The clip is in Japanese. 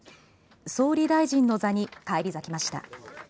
総理大臣の座に返り咲きました。